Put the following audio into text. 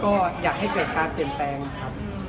ก็อยากให้เกิดการเปลี่ยนแปลงครับ